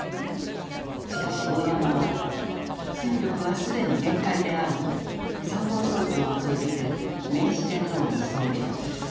しかし大山は戦力は既に限界であると参謀総長を通じて明治天皇に奏上。